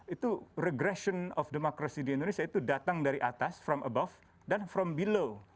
itu regression of demokrasi di indonesia itu datang dari atas from above dan from belaw